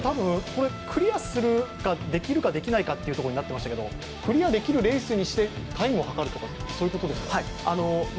これ、クリアできるかできないかっていうことになってましたけどクリアできるレースにしてタイムをはかるとか、そういうことですか？